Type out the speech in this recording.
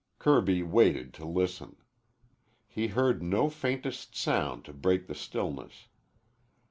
Kirby waited to listen. He heard no faintest sound to break the stillness.